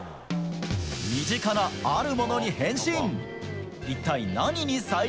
身近なあるものに変身。